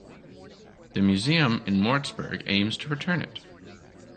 The museum in Moritzburg aims to return it.